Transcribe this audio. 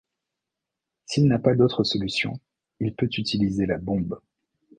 S'il n'a pas d'autre solution, il peut utiliser la bombe.